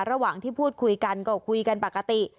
ระหว่างที่พูดคุยกันก็คุยกันปกติ